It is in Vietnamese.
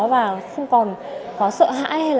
và không còn có sợ hãi